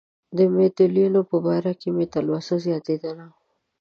د متولیانو په باره کې مې تلوسه زیاتېدله.